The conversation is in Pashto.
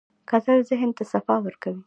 کتل ذهن ته صفا ورکوي